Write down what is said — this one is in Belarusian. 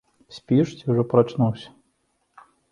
Спіш ці ўжо прачнуўся?